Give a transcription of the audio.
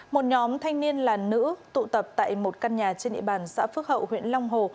một nhóm thanh niên là nữ tụ tập tại một căn nhà trên địa bàn xã phước hậu huyện long hồ